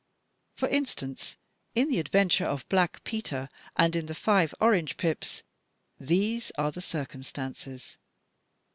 For instance, in "The Adventure of Black Peter" and in "The Five Orange Pips," these are the circumstances.